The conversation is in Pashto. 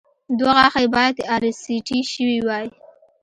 دوه غاښه يې باید ار سي ټي شوي وای